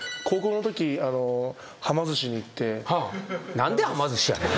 何ではま寿司やねん。